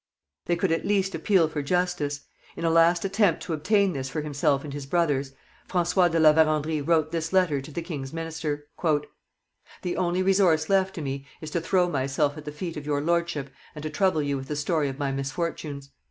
They could at least appeal for justice. In a last attempt to obtain this for himself and his brothers, François de La Vérendrye wrote this letter to the king's minister: The only resource left to me is to throw myself at the feet of your Lordship and to trouble you with the story of my misfortunes.